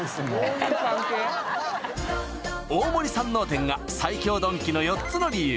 大森山王店が最強ドンキの４つの理由